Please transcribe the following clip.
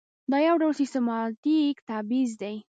دا یو ډول سیستماتیک تبعیض دی.